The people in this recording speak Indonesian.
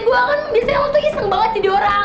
gue kan biasanya lo tuh iseng banget jadi orang